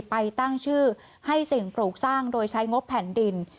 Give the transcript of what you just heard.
ไปตั้งชื่อให้สิ่งปลูกสร้างโดยใช้งบแผ่นดิน